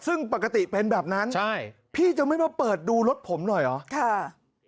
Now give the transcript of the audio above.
ซึ่งปกติเป็นแบบนั้นใช่พี่จะไม่มาเปิดดูรถผมหน่อยเหรอค่ะ